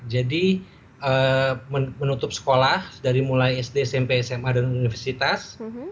jadi menutup sekolah dari mulai sd sampai sma dan universitas